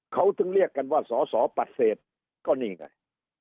เขาถึงเรียกกันว่าสอสอปฏิเสธก็นี่ไง